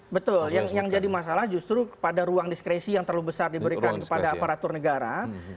betul yang jadi masalah justru pada ruang diskresi yang terlalu besar diberikan kepada aparatur negara